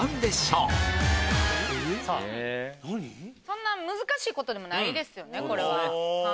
そんな難しいことでもないですよ。